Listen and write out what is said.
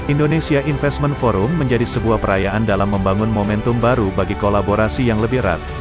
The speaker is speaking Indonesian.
indonesia investment forum menjadi sebuah perayaan dalam membangun momentum baru bagi kolaborasi yang lebih erat